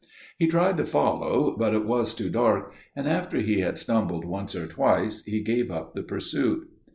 He tried to follow, but it was too dark, and after he had stumbled once or twice, he gave up the pursuit.